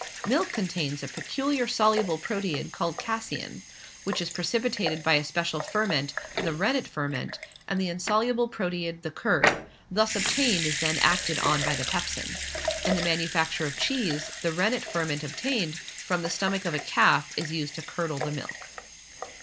Milk contains a peculiar soluble proteid, called casein, which is precipitated by a special ferment, the rennet ferment, and the insoluble proteid, the curd, thus obtained is then acted on by the pepsin. In the manufacture of cheese, the rennetferment obtained, from the stomach of a calf is used to curdle the milk.